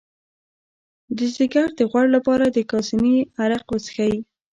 د ځیګر د غوړ لپاره د کاسني عرق وڅښئ